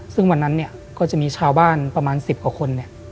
ซึ่งวันนั้นก็จะมีชาวบ้านประมาณสิบกว่าคน